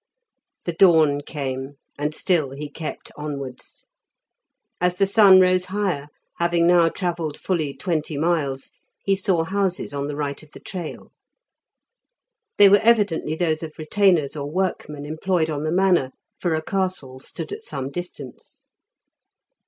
The dawn came, and still he kept onwards. As the sun rose higher, having now travelled fully twenty miles, he saw houses on the right of the trail. They were evidently those of retainers or workmen employed on the manor, for a castle stood at some distance.